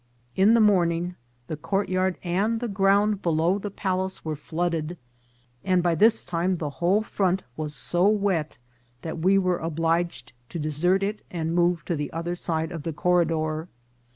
In the morning the courtyard and the ground below the palace were flooded, and by this time the whole front was so wet that we were obliged to desert it and move to the other side ojp the corridor.